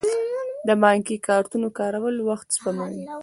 د بانکي کارتونو کارول وخت سپموي.